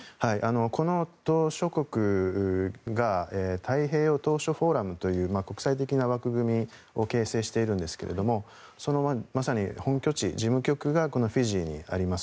この島しょ国が太平洋島しょフォーラムという国際的な枠組みを形成しているんですがそのまさに事務局がこのフィジーにあります。